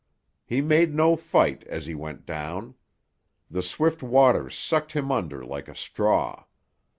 He made no fight as he went down. The swift waters sucked him under like a straw.